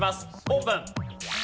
オープン。